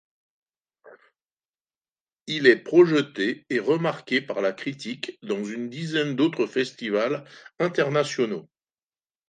Il est projeté et remarqué par la critique dans une quinzaine d'autres festivals internationaux.